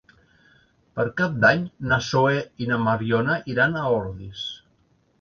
Per Cap d'Any na Zoè i na Mariona iran a Ordis.